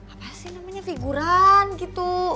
apa sih namanya figuran gitu